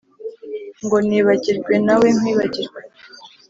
ngo nibagirwe nawe nkwibagirwe